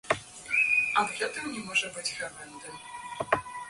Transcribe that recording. Аб гэтым не можа быць гавэнды.